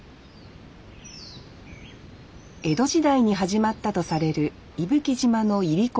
江戸時代に始まったとされる伊吹島のいりこ作り。